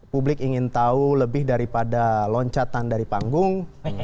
publik ingin tahu lebih daripada loncatan dari panggung